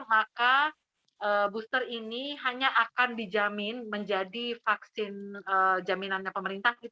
maka booster ini hanya akan dijamin menjadi vaksin jaminannya pemerintah